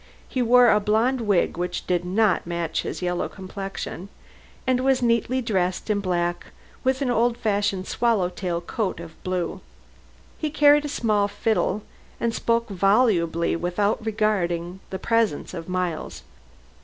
He wore a blonde wig which did not match his yellow complexion, and was neatly dressed in black, with an old fashioned swallow tail coat of blue. He carried a small fiddle and spoke volubly without regarding the presence of Miles.